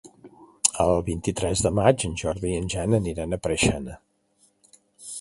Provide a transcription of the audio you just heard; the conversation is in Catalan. El vint-i-tres de maig en Jordi i en Jan aniran a Preixana.